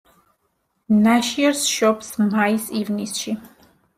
ნაშიერს შობს მაის-ივნისში.